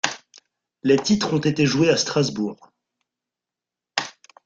Les titres ont été joués à Strasbourg.